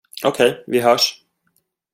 Okej, vi hörs!